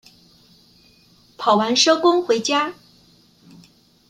跑完收工回家